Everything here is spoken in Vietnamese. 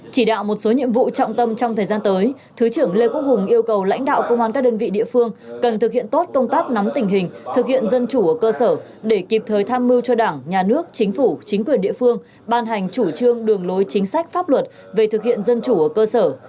chỉ đạo một số nhiệm vụ trọng tâm trong thời gian tới thứ trưởng lê quốc hùng yêu cầu lãnh đạo công an các đơn vị địa phương cần thực hiện tốt công tác nắm tình hình thực hiện dân chủ ở cơ sở để kịp thời tham mưu cho đảng nhà nước chính phủ chính quyền địa phương ban hành chủ trương đường lối chính sách pháp luật về thực hiện dân chủ ở cơ sở